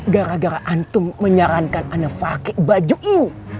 gara gara antum menyarankan ana pakai baju ibu